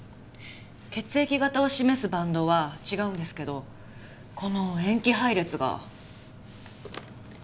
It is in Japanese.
血液型を示すバンドは違うんですけどこの塩基配列が。